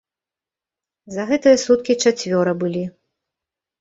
За гэтыя суткі чацвёра былі.